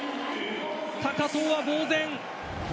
高藤はぼうぜん。